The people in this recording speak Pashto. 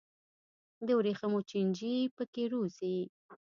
د ورېښمو چینجي پکې روزي.